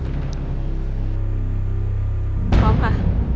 พร้อมค่ะ